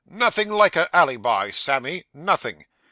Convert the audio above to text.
Nothing like a alleybi, Sammy, nothing.